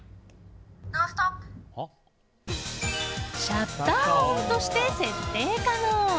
シャッター音として設定可能！